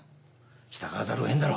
従わざるを得んだろ。